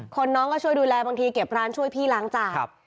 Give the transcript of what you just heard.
น้องก็ช่วยดูแลบางทีเก็บร้านช่วยพี่ล้างจาน